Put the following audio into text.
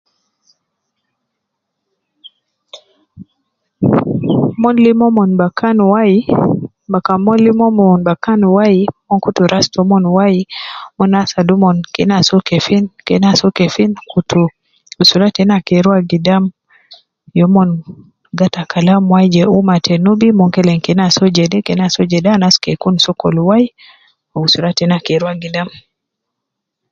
Mon lim umon bakan wai, bakan Mon lim umon bakan wai mon kutu ras toumon wai mon asadu umon kena so kefin kena so kefin Kede usr teina ke ruwa gidama yo mon gata Kalam wai je ummah ta Nubi kena so jede kena so misan anas kulu ke Kun sokol wai jede ke usra teina ruwa gidam